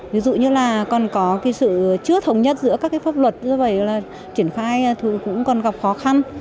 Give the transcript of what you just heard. ví dụ như là còn có sự chưa thống nhất giữa các pháp luật do vậy là triển khai cũng còn gặp khó khăn